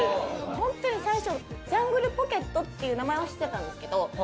本当に最初ジャングルポケットっていう名前は知ってたんですけど。